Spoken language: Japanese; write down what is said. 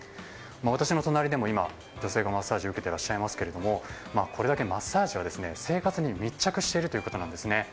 私の隣でも女性がマッサージを受けていらっしゃいますがこれだけマッサージは、生活に密着しているということです。